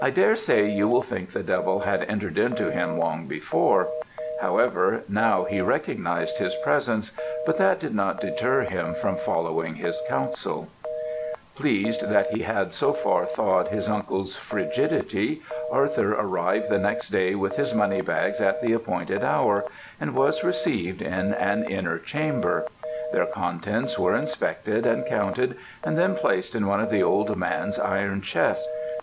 "I daresay you will think the devil had entered into him long before; however, now he recognized his presence, but that did not deter him from following his counsel. "Pleased that he had so far thawed his uncle's frigidity, Arthur arrived the next day with his money bags at the appointed hour, and was received in an inner chamber; their contents were inspected and counted, and then placed in one of the old man's iron chests.